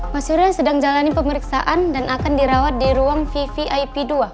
mas yurya sedang jalani pemeriksaan dan akan dirawat di ruang vvip dua